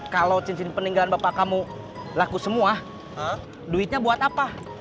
kalau cincin peninggalan bapak kamu laku semua duitnya buat apa